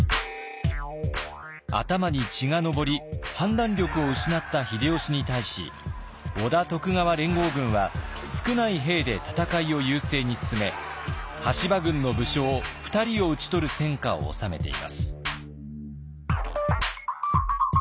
頭に血が上り判断力を失った秀吉に対し織田徳川連合軍は少ない兵で戦いを優勢に進め羽柴軍の武将２人を討ち取る戦果を収めています。